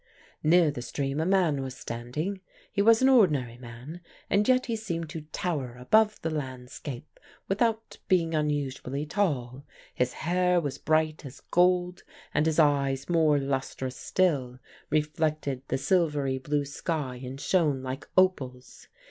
"Near the stream a man was standing; he was an ordinary man, and yet he seemed to tower above the landscape without being unusually tall; his hair was bright as gold, and his eyes, more lustrous still, reflected the silvery blue sky and shone like opals.